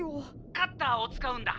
「カッターを使うんだ」。